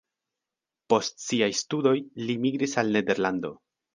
Post siaj studoj li migris al Nederlando.